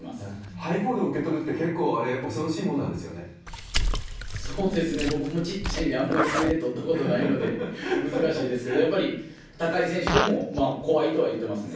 ハイボールを受け取るって、結構あれ、恐ろしいものなんですそうですね、僕も小っちゃいんで、あんまり上で取ったことないので、難しいですけど、やっぱり高い選手でも、怖いとは言ってますね。